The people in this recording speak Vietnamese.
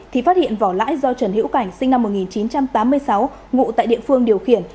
thì phát hiện vỏ lãi do trần hữu cảnh sinh năm một nghìn chín trăm tám mươi sáu ngụ tại địa phương điều khiển